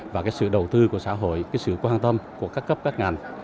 và cái sự đầu tư của xã hội cái sự quan tâm của các cấp các ngành